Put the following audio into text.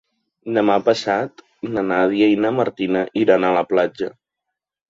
Demà passat na Nàdia i na Martina iran a la platja.